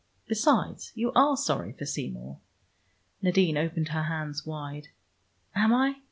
Besides you are sorry for Seymour." Nadine opened her hands wide. "Am I?